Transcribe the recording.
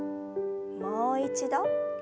もう一度。